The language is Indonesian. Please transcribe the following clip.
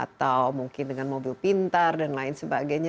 atau mungkin dengan mobil pintar dan lain sebagainya